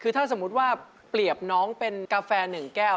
คือถ้าสมมุติว่าเปรียบน้องเป็นกาแฟ๑แก้ว